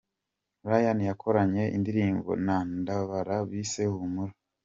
Lyn yakoranye indirimbo na Ndabara bise 'Humura'.